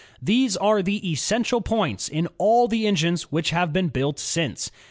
These are the essential points in all the engines which have been built since.